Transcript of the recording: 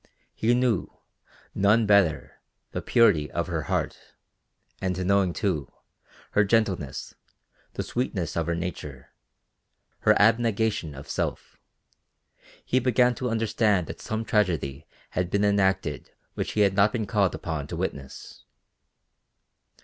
He knew, none better, the purity of her heart, and knowing, too, her gentleness, the sweetness of her nature, her abnegation of self, he began to understand that some tragedy had been enacted which he had not been called upon to witness.